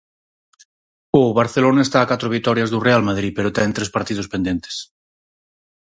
O Barcelona está a catro vitorias do Real Madrid pero ten tres partidos pendentes.